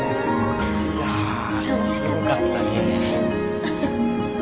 いやすごかったね。